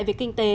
về kinh tế